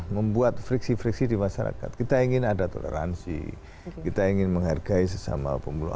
membuat friksi friksi di masyarakat kita ingin ada toleransi kita ingin menghargai sesama pemula